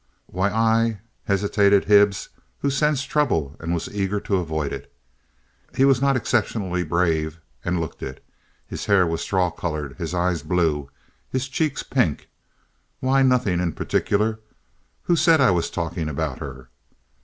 "Why—I—" hesitated Hibbs, who sensed trouble and was eager to avoid it. He was not exceptionally brave and looked it. His hair was straw colored, his eyes blue, and his cheeks pink. "Why—nothing in particular. Who said I was talking about her?"